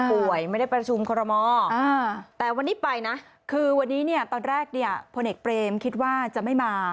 ป่วยไม่ได้ประชูมคลมค์ละมอ